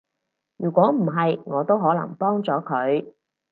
如果唔係，我都可能幫咗佢